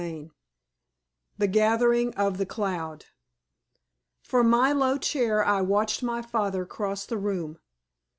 CHAPTER XI THE GATHERING OF THE CLOUD From my low chair I watched my father cross the room.